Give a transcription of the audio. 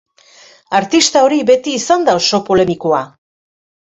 Artista hori beti izan da oso polemikoa.